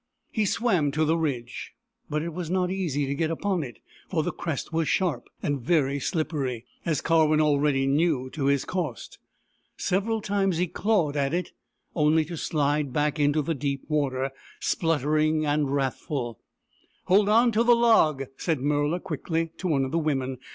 84 BOORAN, THE PELICAN He swam to the ridge, but it was not easy to get upon it, for the crest was sharp, and very sUp pery, as Karwin already knew to his cost. Several times he clawed at it, only to slide back into the deep water, spluttering and wrathful. " Hold on to the log," said Murla, quickly, to one of the women.